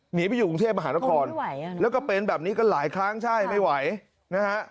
หนีไปอยู่กรุงเทพมหานครแล้วก็เป็นแบบนี้ก็หลายครั้งใช่ไม่ไหวนะฮะ